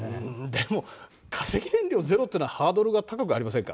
でも化石燃料０ってのはハードルが高くありませんか？